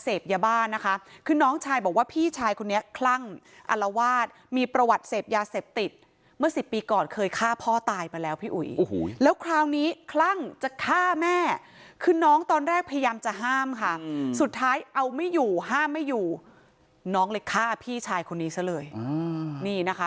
เอาไม่อยู่ห้ามไม่อยู่น้องเลยฆ่าพี่ชายคนนี้ซะเลยอืมนี่นะคะ